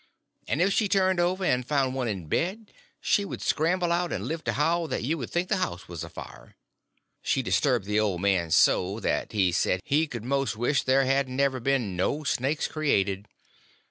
And if she turned over and found one in bed she would scramble out and lift a howl that you would think the house was afire. She disturbed the old man so that he said he could most wish there hadn't ever been no snakes created.